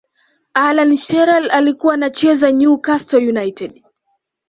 allan shearer alikuwa anacheza new castle united